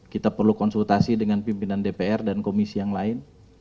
kita perlu konsultasi dengan pimpinan dpr dan komisi yang lain